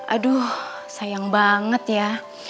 aduh sayang banget ya